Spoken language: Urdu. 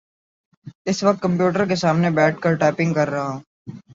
اس وقت کمپیوٹر کے سامنے بیٹھ کر ٹائپنگ کر رہا ہوں۔